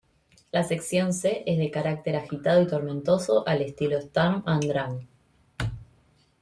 La sección C es de carácter agitado y tormentoso, al estilo Sturm und Drang.